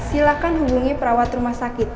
silahkan hubungi perawat rumah sakit